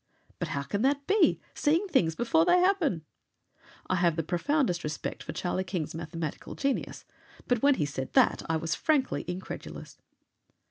"But how can that be? Seeing things before they happen!" I have the profoundest respect for Charlie King's mathematical genius. But when he said that I was frankly incredulous.